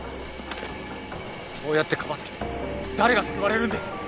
そうやってかばって誰が救われるんです？